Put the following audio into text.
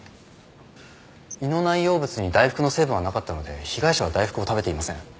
胃の内容物に大福の成分はなかったので被害者は大福を食べていません。